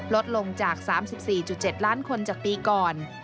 ลดลงจาก๓๔๗ล้านคนจากปีก่อน